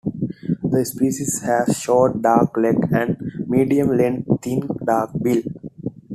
This species has short dark legs and a medium-length thin dark bill.